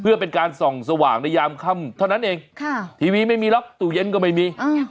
เพื่อเป็นการส่องสว่างในยามค่ำเท่านั้นเองทีวีไม่มีล็อกตู้เย็นก็ไม่มี